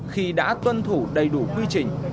khi đã tuân thủ đầy đủ quy trình